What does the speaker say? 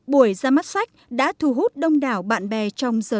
buổi ra mắt sách đã thu hút đông đảo bạn bè trong giới